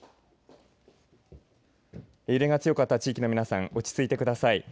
揺れが強かった地域の皆さん落ち着いてください。